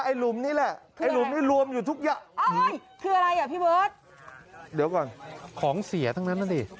หลุมนี่แหละไอ้หลุมนี่รวมอยู่ทุกอย่างคืออะไรอ่ะพี่เบิร์ตเดี๋ยวก่อนของเสียทั้งนั้นนะดิ